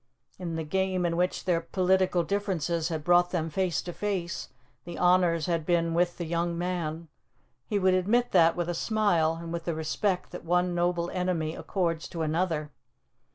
In the game in which their political differences had brought them face to face the honours had been with the young man; he would admit that with a smile and with the respect that one noble enemy accords to another.